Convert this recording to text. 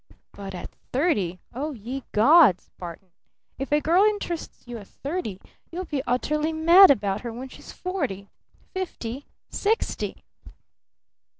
But at thirty! Oh, ye gods, Barton! If a girl interests you at thirty you'll be utterly mad about her when she's forty fifty sixty!